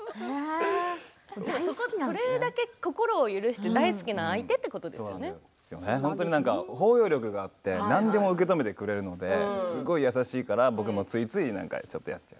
それだけ心を許して包容力があって何でも受け止めてくれるのですごい優しいから僕もついついやっちゃう。